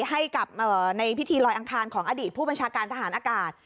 ให้กับในพิธีลอยอังคารของอดีตผู้บัญชาการทหารอากาศ